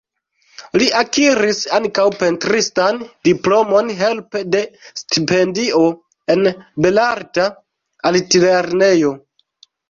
Li akiris ankaŭ pentristan diplomon helpe de stipendio en Belarta Altlernejo.